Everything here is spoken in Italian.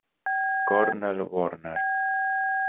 Cornell Warner